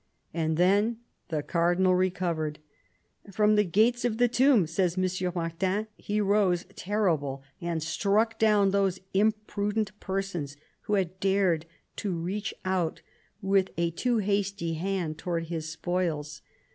And then the Cardinal recovered. "From the gates of the tomb," says M. Martin, " he rose terrible and struck down those imprudent persons who b^ad dared to reach out with a too hasty hand towards his spoils."